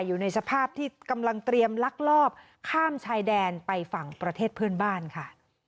อยู่ในสภาพที่กำลังเตรียมลักลอบข้ามชายแดนไปฝั่งประเทศเพื่อนบ้านค่ะ